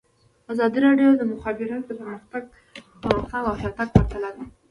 ازادي راډیو د د مخابراتو پرمختګ پرمختګ او شاتګ پرتله کړی.